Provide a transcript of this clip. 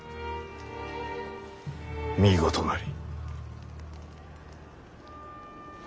見事なり。